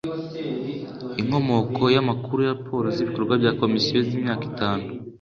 Inkomoko y amakuru Raporo z ibikorwa bya Komisiyo z imyaka itanu